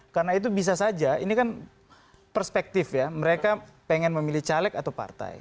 karena itu bisa saja ini kan perspektif ya mereka pengen memilih caleg atau partai